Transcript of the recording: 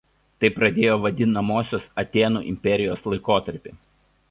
Tai pradėjo vadinamosios Atėnų imperijos laikotarpį.